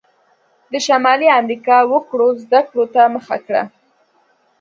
د شمالي امریکا وګړو زده کړو ته مخه کړه.